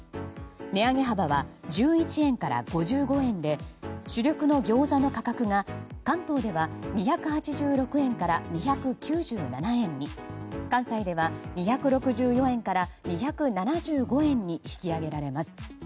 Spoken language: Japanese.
値上げ幅は１１円から５５円で主力の餃子の価格が関東では２８６円から２９７円に関西では２６４円から２７５円に引き上げられます。